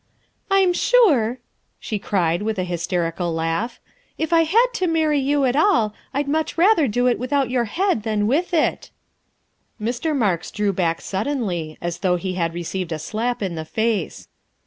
"I'm sure," she cried with a hysterical laugh, " if I had to marry you at all, I'd much rather do it without your head than with it." Mr. Marks drew back suddenly, as though he had received a slap in the face.